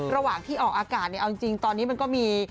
ระหว่างที่ออกอากาศเนี่ยเอาจริงตอนนี้มันก็มี